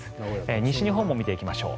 西日本も見ていきましょう。